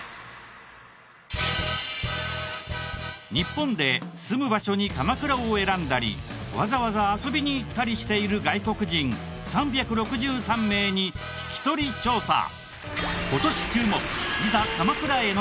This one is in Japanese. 日本で住む場所に鎌倉を選んだりわざわざ遊びに行ったりしている外国人３６３名に聞き取り調査！